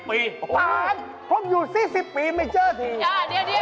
สารผมอยู่๔๐ปีไม่เจอที